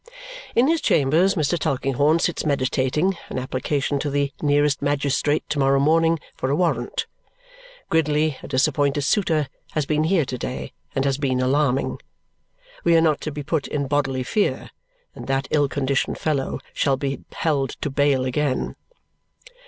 In his chambers Mr. Tulkinghorn sits meditating an application to the nearest magistrate to morrow morning for a warrant. Gridley, a disappointed suitor, has been here to day and has been alarming. We are not to be put in bodily fear, and that ill conditioned fellow shall be held to bail again.